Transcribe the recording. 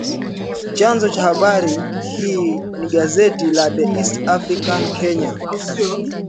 Chanzo cha habari hii ni gazeti la The East African, Kenya